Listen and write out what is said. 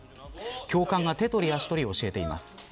教官が手とり足とり教えています。